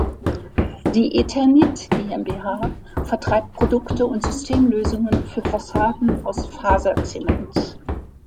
Die Eternit GmbH vertreibt Produkte und Systemlösungen für Fassaden aus Faserzement.